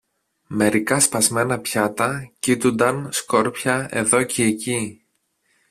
μερικά σπασμένα πιάτα κείτουνταν σκόρπια εδώ κι εκεί